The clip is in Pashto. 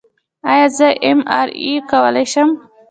ایا زه ایم آر آی کولی شم؟